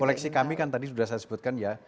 koleksi kami kan tadi sudah saya sebutkan ya